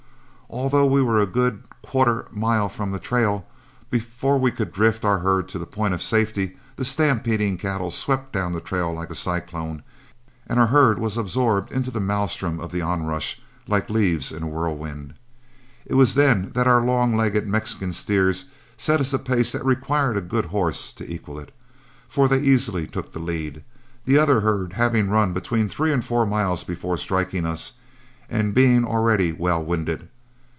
Although we were a good quarter mile from the trail, before we could drift our herd to a point of safety, the stampeding cattle swept down the trail like a cyclone and our herd was absorbed into the maelstrom of the onrush like leaves in a whirlwind. It was then that our long legged Mexican steers set us a pace that required a good horse to equal, for they easily took the lead, the other herd having run between three and four miles before striking us, and being already well winded.